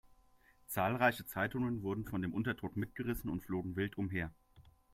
Zahlreiche Zeitungen wurden von dem Unterdruck mitgerissen und flogen wild umher.